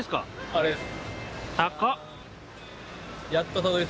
あれです